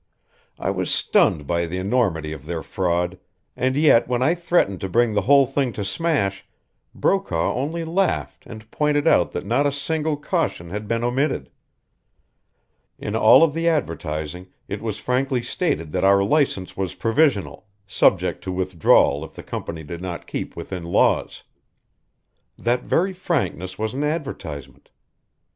I was stunned by the enormity of their fraud, and yet when I threatened to bring the whole thing to smash Brokaw only laughed and pointed out that not a single caution had been omitted. In all of the advertising it was frankly stated that our license was provisional, subject to withdrawal if the company did not keep within laws. That very frankness was an advertisement.